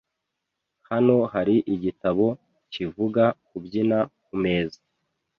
Hano hari igitabo kivuga kubyina kumeza.